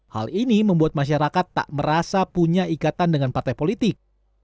hal ini membuat masyarakat tak merasa punya ikatan dengan partai politik